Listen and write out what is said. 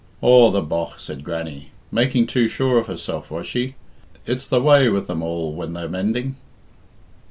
"Aw, the bogh!" said Grannie. "Making too sure of herself, was she? It's the way with them all when they're mending."